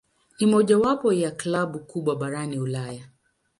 Ni mojawapo ya klabu kubwa barani Ulaya.